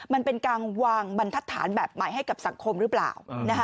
มันเป็นการวางบรรทัศน์แบบใหม่ให้กับสังคมหรือเปล่า